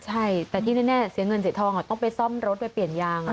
ใช่แต่ที่แน่เสียเงินเสียทองต้องไปซ่อมรถไปเปลี่ยนยาง